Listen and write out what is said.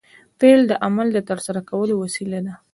فعل د عمل د ترسره کولو وسیله ده.